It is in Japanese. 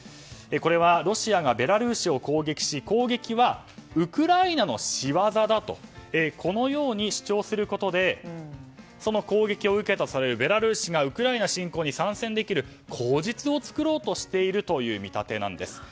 これはロシアがベラルーシを攻撃し、攻撃はウクライナの仕業だと主張することでその攻撃を受けたベラルーシがウクライナ侵攻に参戦できる口実を作ろうとしているという見立てなんです。